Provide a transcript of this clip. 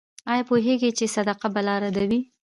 ایا پوهیږئ چې صدقه بلا ردوي؟